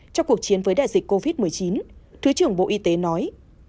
trong cuộc chiến với đại dịch covid một mươi chín thứ trưởng bộ y tế nói